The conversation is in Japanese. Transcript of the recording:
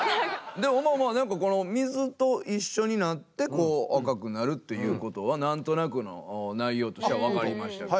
でもまあまあ何かこの水と一緒になって赤くなるということは何となくの内容としてはわかりましたけど。